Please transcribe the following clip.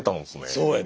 そうやで。